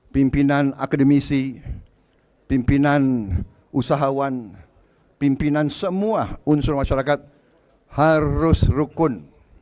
pimpinan akademisi pimpinan usahawan pimpinan semua unsur masyarakat harus rukun